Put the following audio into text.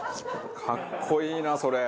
かっこいいなそれ。